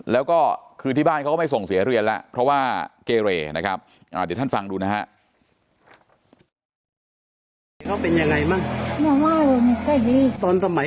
แล้วก็คือที่บ้านเขาก็ไม่ส่งเสียเรียนแล้วเพราะว่าเกเรนะครับเดี๋ยวท่านฟังดูนะฮะ